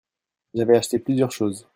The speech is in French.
J'avais acheté plusieurs choses.